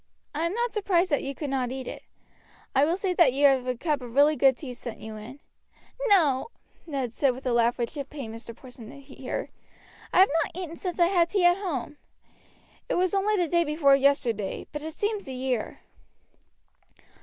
I am not surprised that you could not eat it. I will see that you have a cup of really good tea sent you in." "No," Ned said with a laugh which it pained Mr. Porson to hear, "I have not eaten since I had tea at home. It was only the day before yesterday, but it seems a year."